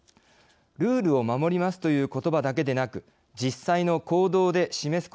ルールを守りますという言葉だけでなく実際の行動で示すことになるのか